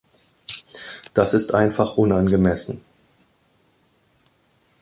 Das ist einfach unangemessen.